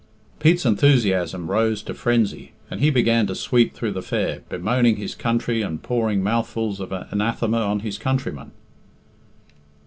Pete's enthusiasm rose to frenzy, and he began to sweep through the fair, bemoaning his country and pouring mouth fuls of anathema on his countrymen.